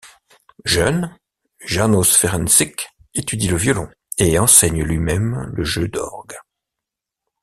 Jeune, János Ferencsik étudie le violon et enseigne lui-même le jeu d'orgue.